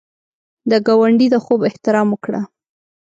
د ګاونډي د خوب احترام وکړه